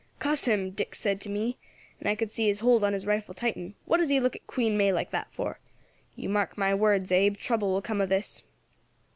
"'Cuss him!' Dick said to me, and I could see his hold on his rifle tighten, 'what does he look at Queen May like that for? You mark my words, Abe, trouble will come of this.'